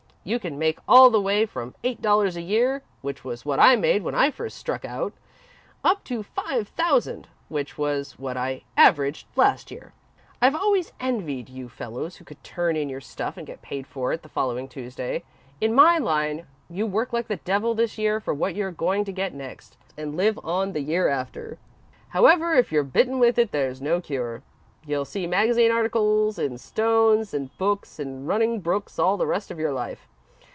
You can make all the way from eight dollars a year, which was what I made when I first struck out, up to five thousand, which was what I averaged last year. I've always envied you fellows who could turn in your stuff and get paid for it the following Tuesday. In my line, you work like the devil this year for what you're going to get next, and live on the year after. "However, if you're bitten with it, there's no cure. You'll see magazine articles in stones and books in running brooks all the rest of your life.